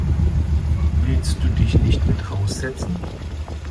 Willst du dich nicht mit raus setzen?